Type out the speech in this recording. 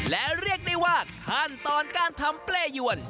และเรียกได้ว่าขั้นตอนการทำเปรยวน